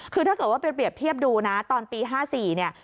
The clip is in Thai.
คือถ้าเกิดว่าไปเปรียบเทียบดูนะตอนปี๕๔เนี่ย